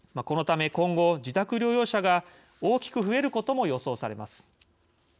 このため今後、自宅療養者が大きく増えることも予想されます。